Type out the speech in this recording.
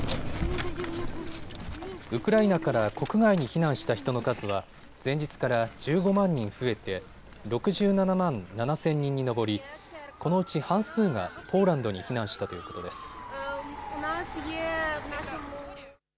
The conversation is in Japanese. ウクライナから国外に避難した人の数は前日から１５万人増えて６７万７０００人に上り、このうち半数がポーランドに避難したということです。